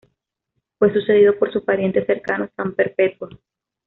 Fue sucedido por su pariente cercano, San Perpetuo.